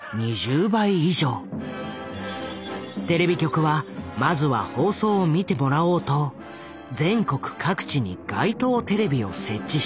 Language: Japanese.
テレビ局はまずは放送を見てもらおうと全国各地に街頭テレビを設置した。